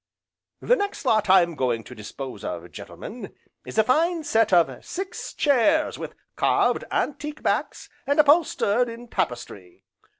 "The next lot I'm going to dispose of, gentlemen, is a fine set of six chairs with carved antique backs, and upholstered in tapestry.